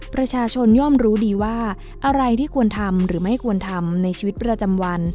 ย่อมรู้ดีว่าอะไรที่ควรทำหรือไม่ควรทำในชีวิตประจำวัน